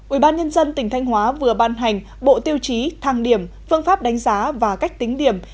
ủy ban nhân dân tỉnh thanh hóa vừa ban hành bộ tiêu chí thang điểm phương pháp đánh giá và cách tính điểm